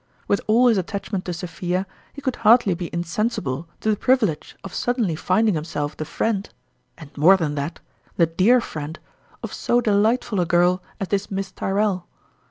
With all his attachment to Sophia, he could hardly be in sensible to the privilege of suddenly finding himself the friend and more than that, the dear friend of so delightful a girl as this Miss Tyrrell.